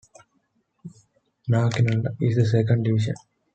Nacional in the second division.